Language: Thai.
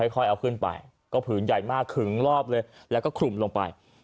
ค่อยเอาขึ้นไปก็ผืนใหญ่มากขึงรอบเลยแล้วก็คลุมลงไป